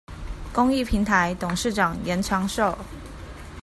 公益平臺董事長嚴長壽